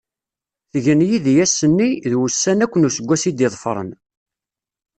Tgen yid-i ass-nni, d wussan akk n useggas i d-iḍefren.